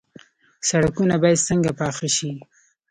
سړکونه باید څنګه پاخه شي؟